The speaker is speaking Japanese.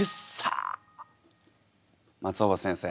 松尾葉先生